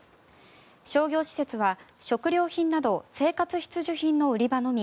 商業施設は食料品など生活必需品の売り場のみ